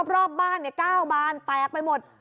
รอบบ้าน๙บานแตกไปหมด